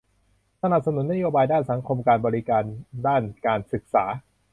สนับสนุนนโยบายด้านสังคมการบริการด้านการศึกษา